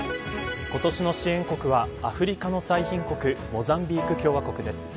今年の支援国はアフリカの最貧国モザンビーク共和国です。